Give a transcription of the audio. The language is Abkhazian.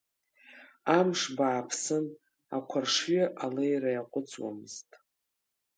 Амш бааԥсын, ақәаршаҩы алеира иаҟәыҵуамызт.